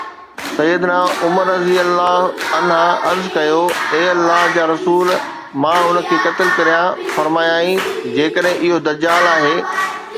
سَيِّدُنا عمر رضي الله عنه عرض ڪيو: اي الله جا رسول، مان ان کي قتل ڪريان، فرمايائين: جيڪڏهن اهو دجال آهي.